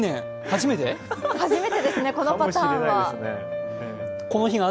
初めてですね、このパターンは。